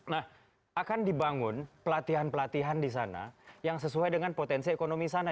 nah akan dibangun pelatihan pelatihan di sana yang sesuai dengan potensi ekonomi sana